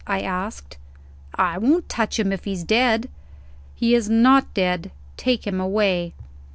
I asked. "I won't touch him, if he's dead!" "He is not dead. Take him away!"